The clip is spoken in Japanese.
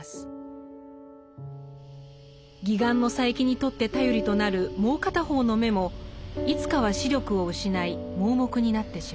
義眼の佐柄木にとって頼りとなるもう片方の眼もいつかは視力を失い盲目になってしまう。